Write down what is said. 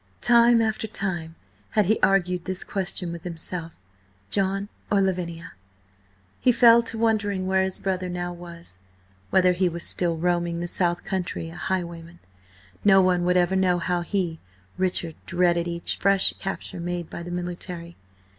... Time after time had he argued this question with himself: John or Lavinia? ... He fell to wondering where his brother now was; whether he was still roaming the South Country, a highwayman. No one would ever know how he, Richard, dreaded each fresh capture made by the military.